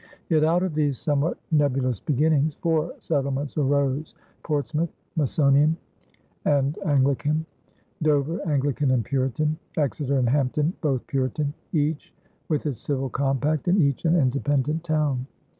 Yet out of these somewhat nebulous beginnings, four settlements arose Portsmouth (Masonian and Anglican), Dover (Anglican and Puritan), Exeter and Hampton (both Puritan), each with its civil compact and each an independent town.